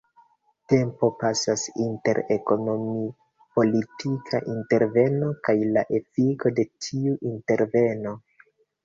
Tempo pasas inter ekonomi-politika interveno kaj la efiko de tiu interveno.